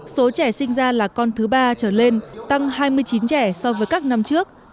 số trẻ sinh ra là con thứ ba trở lên tăng hai mươi chín trẻ so với các năm trước